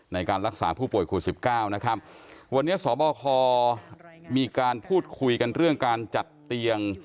ในการรักษาผู้ป่วยโควิดสิบเก้านะครับวันนี้สบคมีการพูดคุยกันเรื่องการจัดเตียง